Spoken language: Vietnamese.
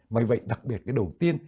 mà vậy đặc biệt cái đầu tiên